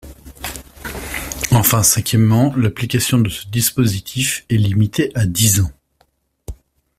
Enfin, cinquièmement, l’application de ce dispositif est limitée à dix ans.